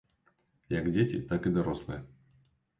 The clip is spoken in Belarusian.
Як дзеці, так і дарослыя.